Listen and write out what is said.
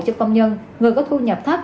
cho công nhân người có thu nhập thấp